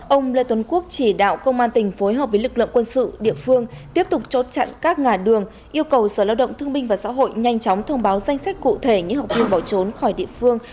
ông lê tuấn quốc chỉ đạo công an tỉnh phối hợp với lực lượng quân sự địa phương tiếp tục chốt chặn các ngã đường yêu cầu sở lao động thương minh và xã hội nhanh chóng thông báo danh sách cụ thể những học viên bỏ trốn khỏi địa phương